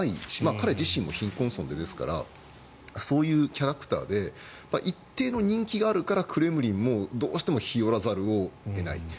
彼自身も貧困層の出ですからそういうキャラクターで一定の人気があるからクレムリンもどうしても日和らざるを得ない。